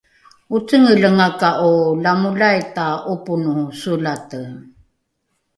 ocengelengaka’o lamolaita ’oponoho solate?